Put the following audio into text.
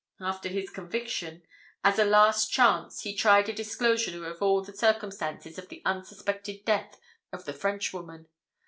After his conviction, as a last chance, he tried a disclosure of all the circumstances of the unsuspected death of the Frenchwoman.